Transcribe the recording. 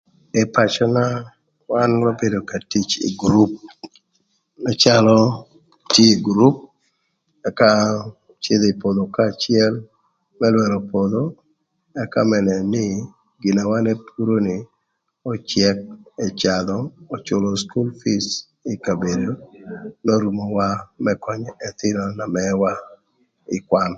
Ï pacöna wan wabedo ka tic ï gurup na calö tye ï gurup ëka ëcïdhö ï pwodho kanya acël më lwërö pwodho ëka më nënö nï gin na wan epuro ni öcëk ëcadhö öcülö cukul pic ï kabedo n'orumowa më könyö ëthïnö na mëwa ï kwan.